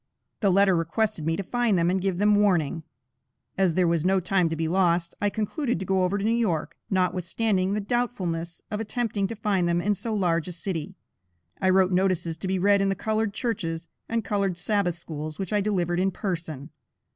The letter requested me to find them and give them warning. As there was no time to be lost, I concluded to go over to New York, notwithstanding the doubtfulness of attempting to find them in so large a city. I wrote notices to be read in the colored churches and colored Sabbath schools, which I delivered in person.